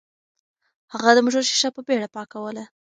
هغه د موټر ښیښه په بیړه پاکوله.